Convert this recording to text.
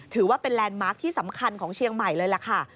ถือว่าเป็นแลนด์มาร์คที่สำคัญของเชียงใหม่เลยล่ะค่ะ